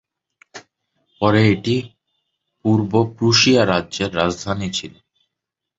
পরে এটি পূর্ব প্রুশিয়া রাজ্যের রাজধানী ছিল।